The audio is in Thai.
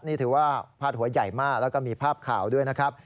นี่ถือว่าพาดหัวใหญ่มากแล้วก็มีภาพข่าวด้วยนะครับ